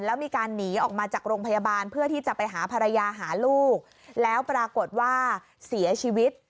แล้วมีการหนีออกมาจากโรงพยาบาลเพื่อที่จะไปหาภรรยาหาลูกแล้วปรากฏว่าเสียชีวิต